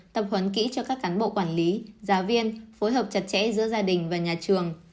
tập huấn kỹ cho các cán bộ quản lý giáo viên phối hợp chặt chẽ giữa gia đình và nhà trường